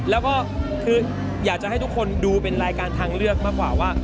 แล้วก็คืออยากจะให้ทุกคนดูเป็นรายการทางเลือกมากกว่าว่า